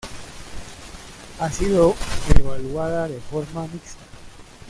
Ha sido evaluada de forma mixta.